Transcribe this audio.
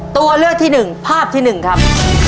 ตัวเลือกที่หนึ่งภาพที่หนึ่งครับ